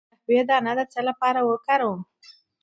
د قهوې دانه د څه لپاره وکاروم؟